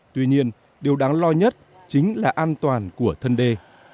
tuy nhiên điều đáng lo nhất chính là an toàn của thân đê